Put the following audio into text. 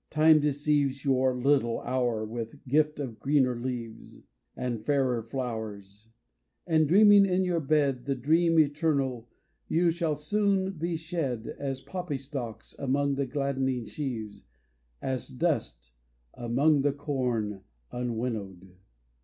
Time deceives Your little hour with gift of greener leaves And fairer flowers ; and, dreaming in your bed The dream eternal, you shall soon be shed As poppy stalks among the gladdening sheaves, As dust among the corn unwinnowed.